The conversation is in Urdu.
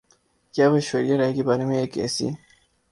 کہ وہ ایشوریا رائے کے بارے میں ایک ایسی